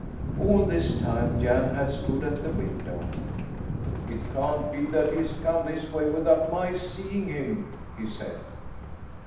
All this time Jan had stood at the window. "It can't be that he has come this way without my seeing him?" he said.